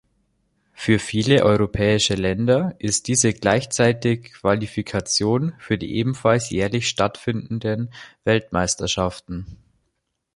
Für viele europäische Länder ist diese gleichzeitig Qualifikation für die ebenfalls jährlich stattfindenden Weltmeisterschaften.